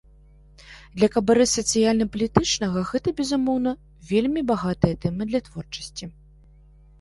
Для кабарэ сацыяльна-палітычнага гэта, безумоўна, вельмі багатая тэма для творчасці.